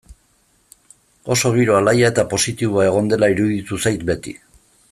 Oso giro alaia eta positiboa egon dela iruditu zait beti.